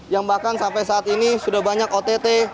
yang bahkan sampai saat ini sudah banyak ott